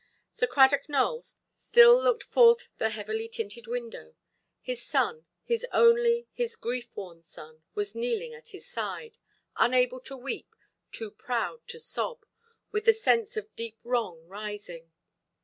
Sir Cradock Nowell still looked forth the heavily–tinted window. His son, his only, his grief–worn son, was kneeling at his side, unable to weep, too proud to sob, with the sense of deep wrong rising.